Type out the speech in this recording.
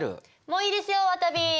もういいですよわたび。